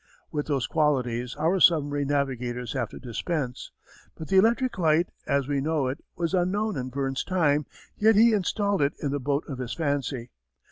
With those qualities our submarine navigators have to dispense. But the electric light, as we know it, was unknown in Verne's time yet he installed it in the boat of his fancy.